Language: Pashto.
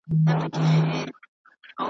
دربارونه به تاوده وي د پیرانو .